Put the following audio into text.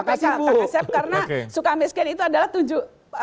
kak ngasep karena suka ambil sken itu adalah tuju